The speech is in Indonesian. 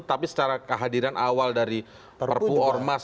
tapi secara kehadiran awal dari perpu ormas